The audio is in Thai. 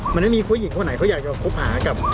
มันไม่มีผู้หญิงคนไหนเขาอยากจะคบหากับ